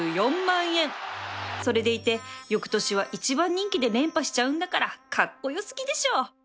それでいてよくとしは１番人気で連覇しちゃうんだからカッコ良すぎでしょ！